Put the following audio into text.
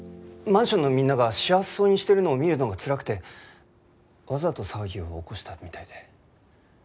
マンションのみんなが幸せそうにしてるのを見るのがつらくてわざと騒ぎを起こしたみたいで。